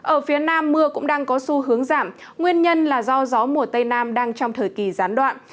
ở phía nam mưa cũng đang có xu hướng giảm nguyên nhân là do gió mùa tây nam đang trong thời kỳ gián đoạn